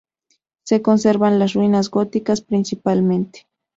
Se conservan las ruinas góticas principalmente.